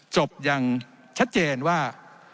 จบอย่างชัดเจนว่า